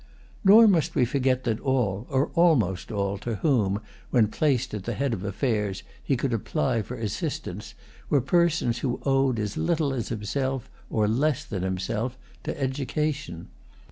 Nor must we forget that all, or almost all, to whom, when placed at the head of affairs, he could apply for assistance were persons who owed as little as himself, or[Pg 197] less than himself, to education.